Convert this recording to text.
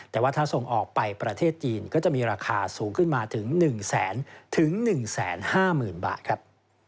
แต่ว่าถ้าส่งออกไปประเทศจีนก็จะมีราคาสูงขึ้นมาถึง๑แสนถึง๑๕๐๐๐บาทครับ